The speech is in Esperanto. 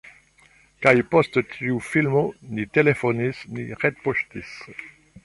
kaj post tiu filmo ni telefonis, ni retpoŝtis